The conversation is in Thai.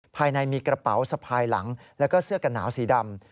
ภายในมีกระเป๋าสะพายหลังแล้วก็เสื้อกันหนาวสีดำ